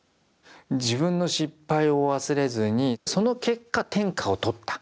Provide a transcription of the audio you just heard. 自分の失敗を忘れずにその結果天下を取った。